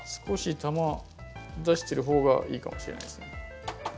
少し球出してる方がいいかもしれないですね。